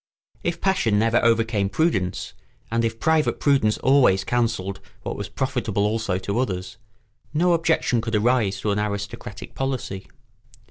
If passion never overcame prudence, and if private prudence always counselled what was profitable also to others, no objection could arise to an aristocratic policy.